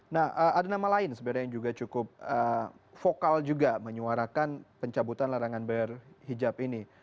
nah ada nama lain sebenarnya yang juga cukup vokal juga menyuarakan pencabutan larangan bayar hijab ini